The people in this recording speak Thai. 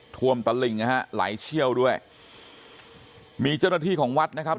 ตะหลิ่งนะฮะไหลเชี่ยวด้วยมีเจ้าหน้าที่ของวัดนะครับ